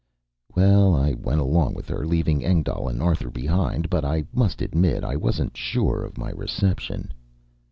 Well, I went along with her, leaving Engdahl and Arthur behind. But I must admit I wasn't sure of my reception.